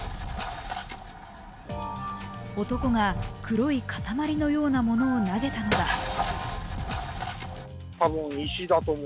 男が黒い塊のようなものを投げたのだ。